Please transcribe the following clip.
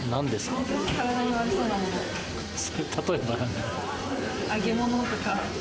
例えば？